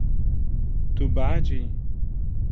Tu behecî yî.